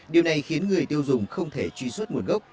điều này khiến người tiêu dùng không thể truy xuất nguồn gốc